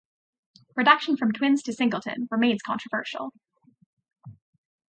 Reduction from twins to singleton remains controversial.